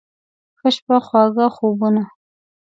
ښه شپه، خواږه خوبونه